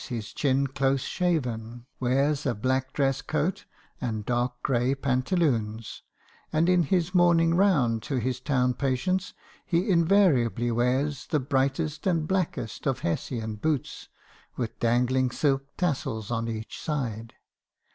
his chin close shaven, wears a black dress coat, and dark grey pantaloons; and in his morning round to his town patients, he invariably wears the brightest and blackest of Hessian boots, with dangling silk tassels on each side.